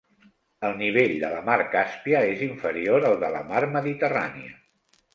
El nivell de la mar Càspia és inferior al de la mar Mediterrània.